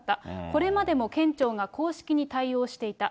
これまでも県庁が公式に対応していた。